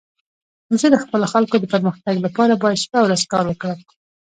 زه د خپلو خلکو د پرمختګ لپاره باید شپه او ورځ کار وکړم.